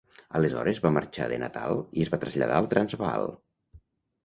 Aleshores va marxar de Natal i es va traslladar al Transvaal.